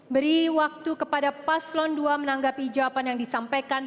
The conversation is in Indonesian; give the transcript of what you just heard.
beri waktu kepada paslon dua menanggapi jawaban yang disampaikan